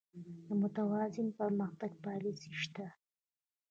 د متوازن پرمختګ پالیسي شته؟